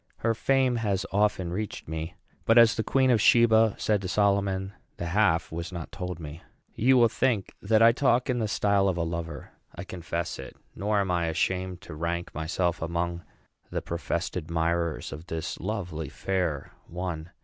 Her fame has often reached me; but, as the Queen of Sheba said to Solomon, the half was not told me. You will think that I talk in the style of a lover. I confess it; nor am I ashamed to rank myself among the professed admirers of this lovely fair one.